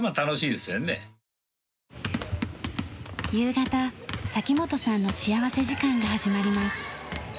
夕方先本さんの幸福時間が始まります。